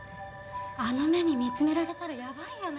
あの目に見つめられたらやばいよね